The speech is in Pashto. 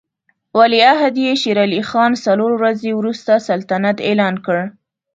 ولیعهد یې شېر علي خان څلور ورځې وروسته سلطنت اعلان کړ.